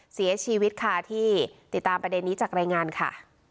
เสียชีวิตค่ะที่ติดตามประเด็นนี้จากรายงานค่ะ